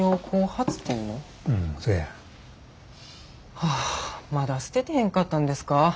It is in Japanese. はあまだ捨ててへんかったんですか。